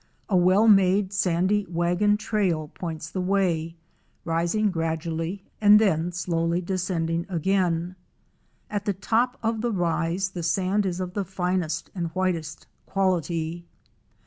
A well made sandy wagon trail points the way, rising gradually and then slowly descending again. At the top of the rise the sand is of the finest and whitest quality.